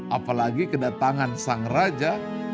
apalagi kedatangan sang raja